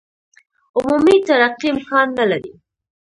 عمومي ترقي امکان نه لري.